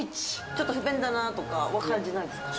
ちょっと不便だなとか感じないんですか。